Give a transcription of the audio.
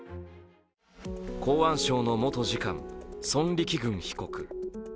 公安省の元次官、孫力軍被告。